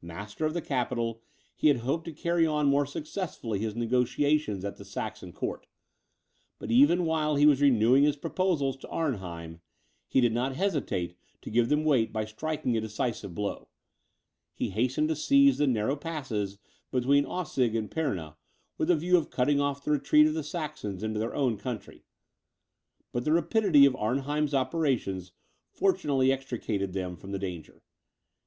Master of the capital, he hoped to carry on more successfully his negociations at the Saxon court; but even while he was renewing his proposals to Arnheim, he did not hesitate to give them weight by striking a decisive blow. He hastened to seize the narrow passes between Aussig and Pirna, with a view of cutting off the retreat of the Saxons into their own country; but the rapidity of Arnheim's operations fortunately extricated them from the danger.